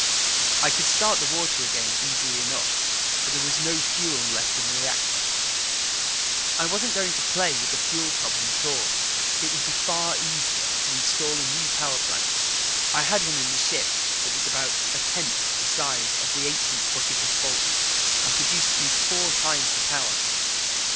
I could start the water again easily enough, but there was no fuel left in the reactor. I wasn't going to play with the fuel problem at all. It would be far easier to install a new power plant. I had one in the ship that was about a tenth the size of the ancient bucket of bolts and produced at least four times the power.